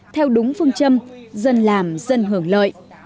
theo đúng phương châm dân làm dân hưởng lợi